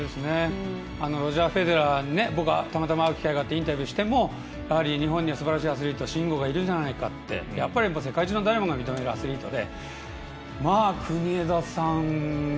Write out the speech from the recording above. ロジャー・フェデラーにたまたま会う機会があってインタビューしても日本にすばらしいアスリート慎吾がいるじゃないかって世界中の誰もが認めるアスリートで、国枝さんね